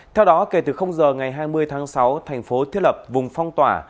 theo đó kể từ giờ ngày hai mươi tháng sáu thành phố thiết lập vùng phong tỏa